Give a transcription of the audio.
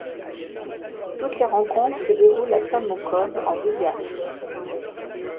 Toutes les rencontres se déroulent à Samokov en Bulgarie.